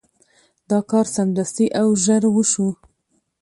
دا کار سمدستي او ژر وشو.